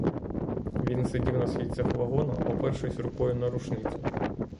Він сидів на східцях вагона, опершись рукою на рушницю.